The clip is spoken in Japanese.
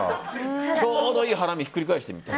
ちょうどいいハラミひっくり返してみて。